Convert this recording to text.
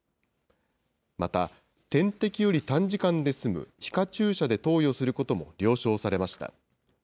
また、点滴より短時間で済む皮下注射で投与することも了承されました。